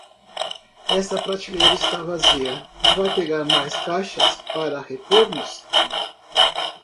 Está prateleira está vazia, vá pegar mais caixas para repormos.